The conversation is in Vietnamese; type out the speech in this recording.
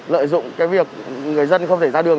lợi dụng cái việc người dân không thể ra đường